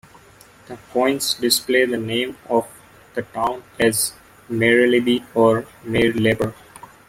The coins display the name of the town as Maerlebi or Maerleber.